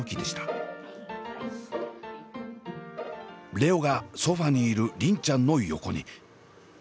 蓮音がソファーにいる梨鈴ちゃんの横に。